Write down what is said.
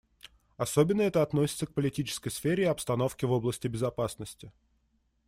Особенно это относится к политической сфере и обстановке в области безопасности.